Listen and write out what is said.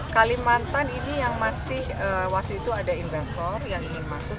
kalimantan ini yang masih waktu itu ada investor yang ingin masuk